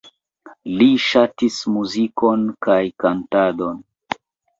Li ŝatis muzikon kaj kantadon.